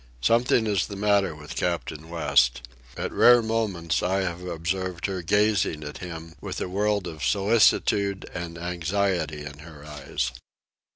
Something is the matter with Captain West. At rare moments I have observed her gazing at him with a world of solicitude and anxiety in her eyes.